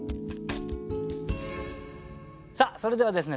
それではですね